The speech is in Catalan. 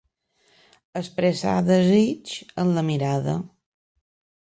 Expressar desig amb la mirada.